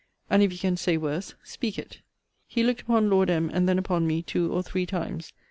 And if you can say worse, speak it. He looked upon Lord M. and then upon me, two or three times.